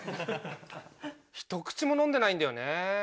ひと口も飲んでないんだよね。